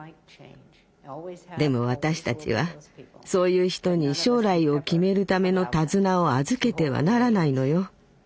でも私たちはそういう人に将来を決めるための手綱を預けてはならないのよ。